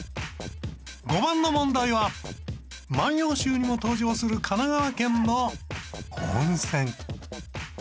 ５番の問題は『万葉集』にも登場する神奈川県の温泉。